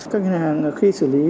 các nhà hàng khi xử lý